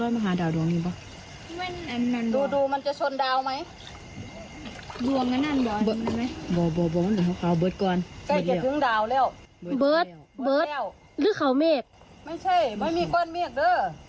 ไม่ใช่ไม่มีเกินเมฆเด้อ